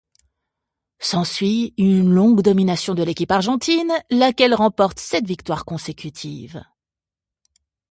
S'ensuit une longue domination de l'équipe argentine, laquelle remporte sept victoires consécutives.